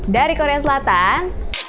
dari korea selatan